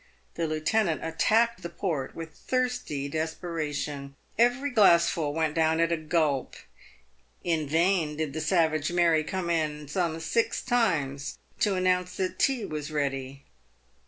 The lieutenant attacked the port with thirsty desperation. Every glassful went down at a gulp. In vain did the savage Mary come in some six times to announce that tea was ready.